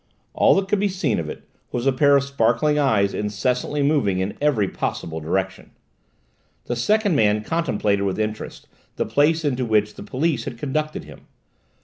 All that could be seen of it was a pair of sparkling eyes incessantly moving in every possible direction. This second man contemplated with interest the place into which the police had conducted him.